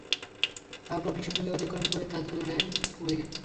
তারপর বিষুবরেখা অতিক্রম করে তা চলে গেছে পূর্ব দিকে।